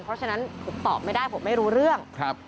เพราะฉะนั้นผมตอบไม่ได้ผมไม่รู้เรื่อง